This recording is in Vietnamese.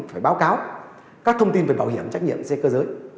phải báo cáo các thông tin về bảo hiểm trách nhiệm xe cơ giới